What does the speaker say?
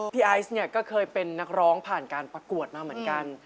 ไอซ์เนี่ยก็เคยเป็นนักร้องผ่านการประกวดมาเหมือนกัน